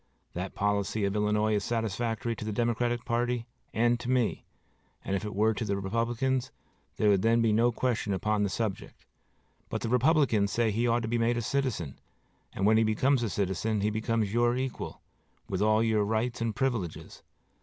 That policy of Illinois is satisfactory to the Democratic party and to me, and if it were to the Republicans there would then be no question upon the subject; but the Republicans say that he ought to be made a citizen, and when he becomes a citizen he becomes your equal, with all your rights and privileges.